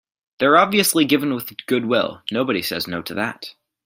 They're obviously given with good will, nobody says no to that.